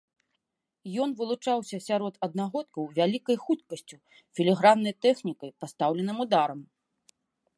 Ён вылучаўся сярод аднагодкаў вялікай хуткасцю, філіграннай тэхнікай, пастаўленым ударам.